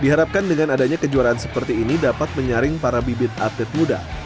diharapkan dengan adanya kejuaraan seperti ini dapat menyaring para bibit atlet muda